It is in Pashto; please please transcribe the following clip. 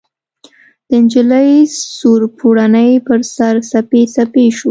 د نجلۍ سور پوړني ، پر سر، څپې څپې شو